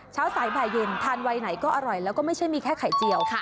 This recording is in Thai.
เช้าสายบ่ายเย็นทานวัยไหนก็อร่อยแล้วก็ไม่ใช่มีแค่ไข่เจียว